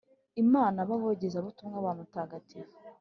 Imana b Abogezabutumwa ba Mutagatifu